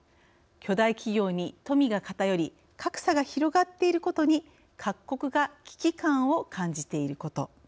巨大企業に富が偏り格差が広がっていることに各国が危機感を感じていること。